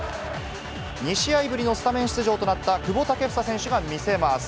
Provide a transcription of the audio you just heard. ２試合ぶりのスタメン出場となった久保建英選手が見せます。